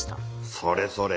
それそれ。